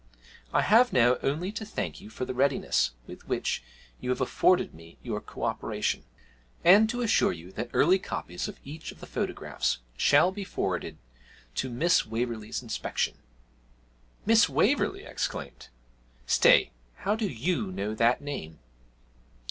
I have now only to thank you for the readiness with which you have afforded me your co operation, and to assure you that early copies of each of the photographs shall be forwarded for Miss Waverley's inspection.' 'Miss Waverley!' I exclaimed; 'stay, how do you know that name?'